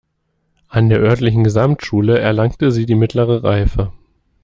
An der örtlichen Gesamtschule erlangte sie die mittlere Reife.